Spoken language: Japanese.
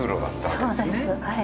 そうです。